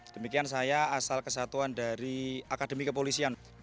demikian saya asal kesatuan dari akademi kepolisian